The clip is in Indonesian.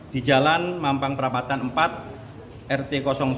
di jalan mampang perapatan empat rt satu